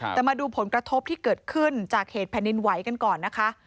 แต่มาดูผลกระทบที่เกิดขึ้นจากเหตุแผ่นดินไหวกันก่อนนะคะ